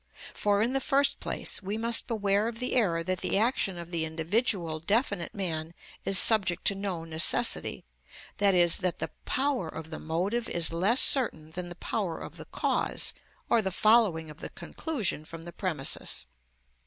For, in the first place, we must beware of the error that the action of the individual definite man is subject to no necessity, i.e., that the power of the motive is less certain than the power of the cause, or the following of the conclusion from the premises.